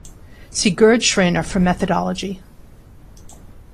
See Gerd Schraner for methodology.